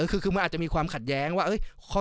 คือมันอาจจะมีความขัดแย้งว่า